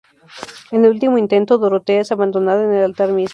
En un último intento, Dorotea es abandonada en el altar mismo.